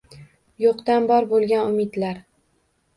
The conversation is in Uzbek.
Yo‘qdan bor bo‘lgan umidlar